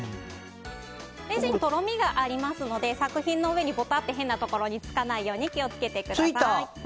レジンはとろみがありますので作品の上にボタッと変なところにつかないようについた！